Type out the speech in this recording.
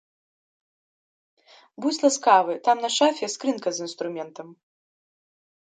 Будзь ласкавы, там, на шафе, скрынка з інструментам.